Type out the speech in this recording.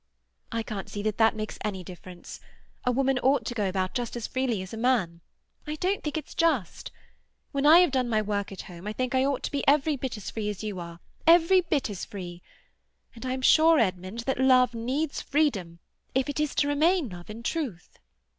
"I can't see that that makes any difference. A woman ought to go about just as freely as a man. I don't think it's just. When I have done my work at home I think I ought to be every bit as free as you are—every bit as free. And I'm sure, Edmund, that love needs freedom if it is to remain love in truth."